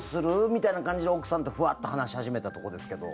みたいな感じで奥さんとふわっと話し始めたとこですけど。